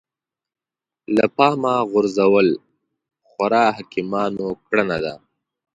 له پامه غورځول خورا حکيمانه کړنه ده.